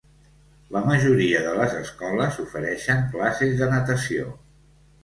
La majoria de les escoles ofereixen classes de natació.